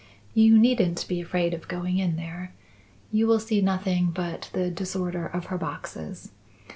You needn't be afraid of going in there. You will see nothing but the disorder of her boxes.